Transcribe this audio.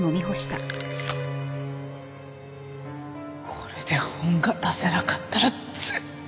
これで本が出せなかったら絶対殺してやる。